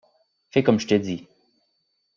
Fais comme je te dis.